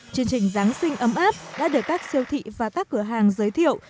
chương trình giáng sinh ấm áp đã được các siêu thị và các cửa hàng giới thiệu